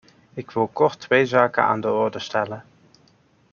Ik wil kort twee zaken aan de orde stellen.